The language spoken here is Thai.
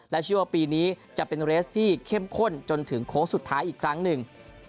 เชื่อว่าปีนี้จะเป็นเรสที่เข้มข้นจนถึงโค้งสุดท้ายอีกครั้งหนึ่ง